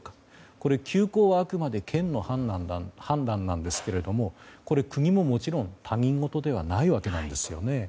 これ、休校はあくまで県の判断なんですけれども国ももちろん他人事ではないわけなんですよね。